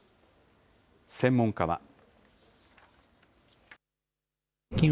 専門家は。